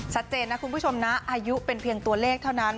ชัดเจนนะคุณผู้ชมนะอายุเป็นเพียงตัวเลขเท่านั้น